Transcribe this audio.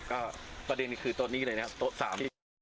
ก็ประเด็นคือโต๊ะนี้เลยนะครับโต๊ะ๓